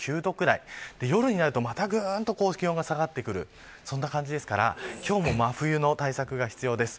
また夜になるとぐっと気温が下がる感じですから今日も真冬の対策が必要です。